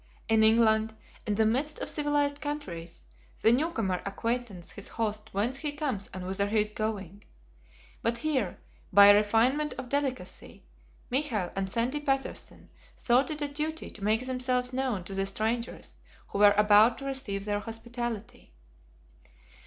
In England, in the midst of civilized countries, the new comer acquaints his host whence he comes and whither he is going; but here, by a refinement of delicacy, Michael and Sandy Patterson thought it a duty to make themselves known to the strangers who were about to receive their hospitality.